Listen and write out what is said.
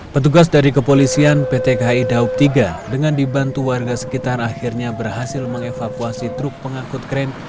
petugas dari kepolisian pt kai daup tiga dengan dibantu warga sekitar akhirnya berhasil mengevakuasi truk pengangkut kren